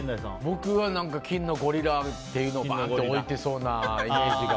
僕は金のゴリラっていうのを置いてそうなイメージが。